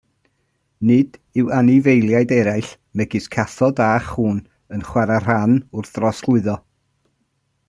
Nid yw anifeiliaid eraill, megis cathod a chŵn, yn chwarae rhan wrth drosglwyddo.